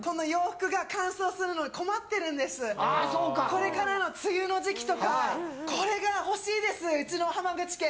これからの梅雨の時期とかこれが欲しいです、うちの浜口家。